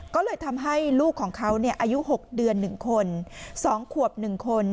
ก็เลยทำให้ลูกของเขาอายุ๖เดือน๑คน๒ขวบ๑คน